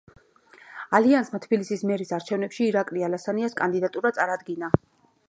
ალიანსმა თბილისის მერის არჩევნებში ირაკლი ალასანიას კანდიდატურა წარადგინა.